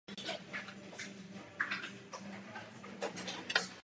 Nejmladší nálezy pocházejí z osmanské doby a bulharského obrození.